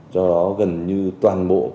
do đó gần như toàn bộ các